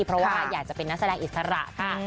เพราะว่าอยากจะเป็นนักแสดงอิสระค่ะ